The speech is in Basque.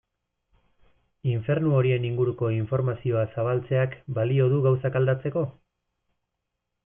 Infernu horien inguruko informazioa zabaltzeak balio du gauzak aldatzeko?